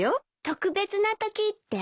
特別なときって？